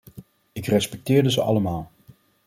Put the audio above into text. Ik respecteerde ze allemaal.